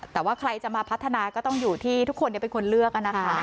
แต่ว่าใครจะมาพัฒนาก็ต้องอยู่ที่ทุกคนเป็นคนเลือกนะคะ